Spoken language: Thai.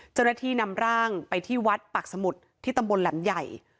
เจ้าหน้าที่นำร่างไปที่วัดปากสมุทรที่ตำบลแหลมใหญ่